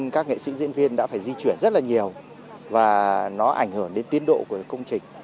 các nghệ sĩ diễn viên đã phải di chuyển rất là nhiều và nó ảnh hưởng đến tiến độ của công trình